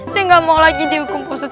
saya nggak mau lagi dihukum pak ustaz